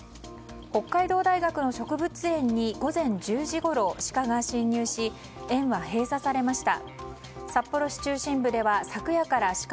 北海道大学の植物園に午前１０時ごろシカが侵入し園は閉鎖されました。